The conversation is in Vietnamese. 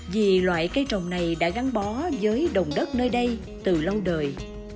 vì loại cây trồng này đã gắn bó với đồng đất nơi đây từ lâu đời